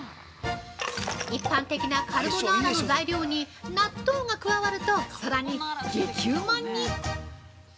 一般的なカルボナーラの材料に納豆が加わるとさらに激うまに！